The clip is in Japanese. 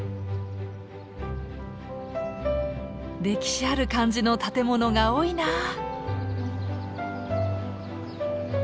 歴史ある感じの建物が多いな。